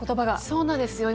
そうなんですよ。